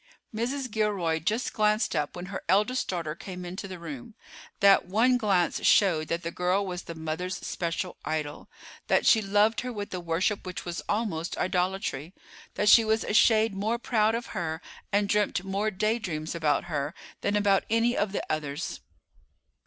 Mrs. Gilroy just glanced up when her eldest daughter came into the room. That one glance showed that the girl was the mother's special idol; that she loved her with a worship which was almost idolatry, that she was a shade more proud of her and dreamt more daydreams about her than about any of the others.